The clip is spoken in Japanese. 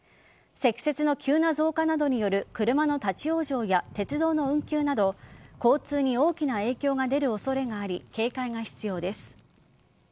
積雪の急な増加などによる車の立ち往生や鉄道の運休など交通に大きな影響が出る恐れがあり警戒が必要です。